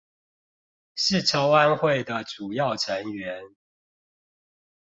是籌安會的主要成員